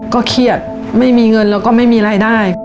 เครียดไม่มีเงินแล้วก็ไม่มีรายได้